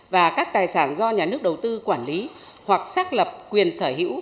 và các tài sản do nhà nước đầu tư quản lý hoặc xác lập quyền sở hữu